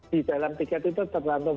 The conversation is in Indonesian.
di dalam tiket itu tergantung